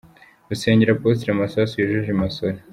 Urusengero Apotre Masasu yujuje i Masoro.